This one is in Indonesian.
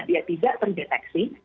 dia tidak terdeteksi